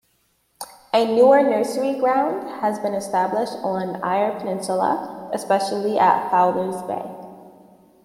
A newer nursery ground has been established on Eyre Peninsula, especially at Fowlers Bay.